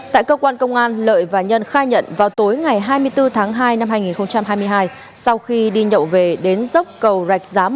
tại cơ quan công an lợi và nhân khai nhận vào tối ngày hai mươi bốn tháng hai năm hai nghìn hai mươi hai sau khi đi nhậu về đến dốc cầu rạch giá